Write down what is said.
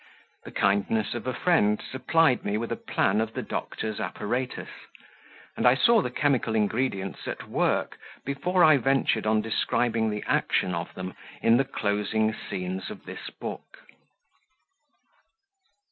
The kindness of a friend supplied me with a plan of the doctor's apparatus, and I saw the chemical ingredients at work before I ventured on describing the action of them in the closing scenes of this book.